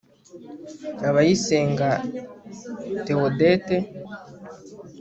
abayisenga théodette